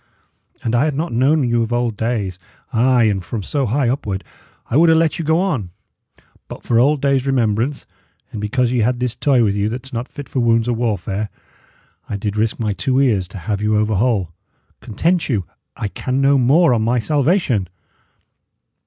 An I had not known you of old days ay, and from so high upward I would 'a' let you go on; but for old days' remembrance, and because ye had this toy with you that's not fit for wounds or warfare, I did risk my two poor ears to have you over whole. Content you; I can no more, on my salvation!"